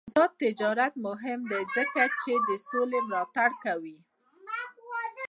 آزاد تجارت مهم دی ځکه چې سوله ملاتړ کوي.